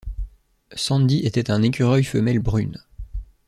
Sandy est un écureuil femelle brune.